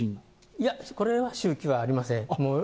いや、これは周期はありません。